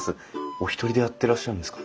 お一人でやってらっしゃるんですか？